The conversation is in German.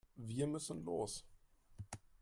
Wir müssen los.